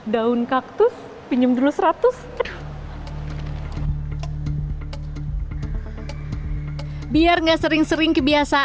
daun kaktus pinjem dulu seratus biar nggak sering sering kebiasaan pinjem dulu seratus